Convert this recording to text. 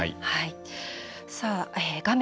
画面